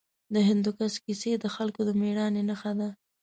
د هندوکش کیسې د خلکو د مېړانې نښه ده.